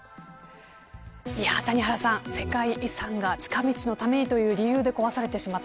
谷原さん、世界遺産が近道のためにという理由で壊されてしまった